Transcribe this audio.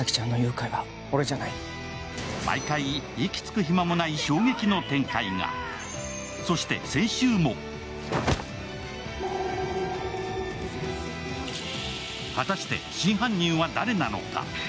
毎回、息つく暇もない衝撃の展開がそして先週も果たして真犯人は誰なのか？